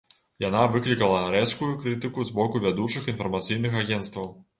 Яна выклікала рэзкую крытыку з боку вядучых інфармацыйных агенцтваў.